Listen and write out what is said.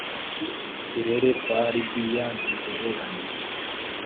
turere twa libiya duhereranye